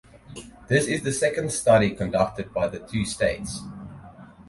This is the second study conducted by the two states.